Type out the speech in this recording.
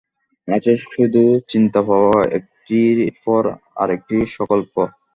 আছে শুধু চিন্তাপ্রবাহ, একটির পর আর একটি সঙ্কল্প।